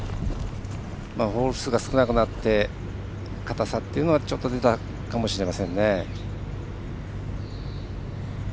ホール数が少なくなって硬さというのはちょっと出たかもしれませんね。